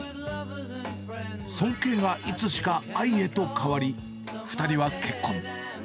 尊敬がいつしか愛へと変わり、２人は結婚。